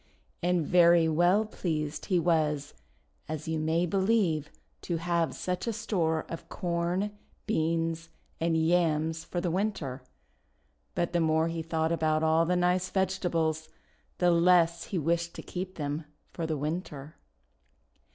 And very well pleased he was, as you may be lieve, to have such a store of Corn, Beans, and Yams for the Winter. But the more he thought about all the nice vegetables, the less he wished to keep them for WTinter.